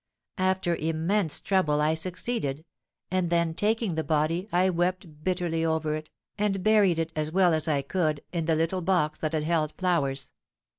After immense trouble I succeeded, and then, taking the body, I wept bitterly over it, and buried it as well as I could in the little box that had held flowers.